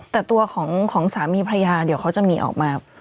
แต่ตัวของสามีพระยาเดี๋ยวเขาจะมีออกมา